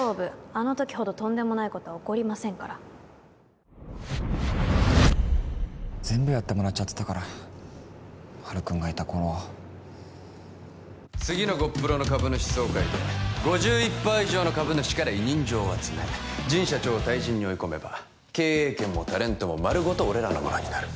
あの時ほどとんでもないことは起こりませんから全部やってもらっちゃってたからハルくんがいた頃は次のゴップロの株主総会で５１％以上の株主から委任状を集め神社長を退陣に追い込めば経営権もタレントも丸ごと俺らのものになる